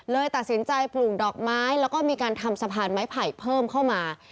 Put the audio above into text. ตัดสินใจปลูกดอกไม้แล้วก็มีการทำสะพานไม้ไผ่เพิ่มเข้ามา